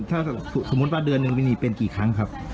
ถ้าสมมุติว่าเดือนหนึ่งวินีเป็นกี่ครั้งครับ